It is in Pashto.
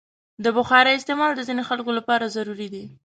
د بخارۍ استعمال د ځینو خلکو لپاره ضروري دی.